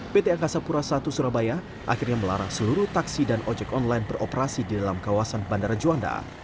pt angkasa pura i surabaya akhirnya melarang seluruh taksi dan ojek online beroperasi di dalam kawasan bandara juanda